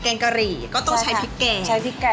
ก็ต้องใช้พริกแกงนะครับใช้พริกแกงนะครับใช้พริกแกง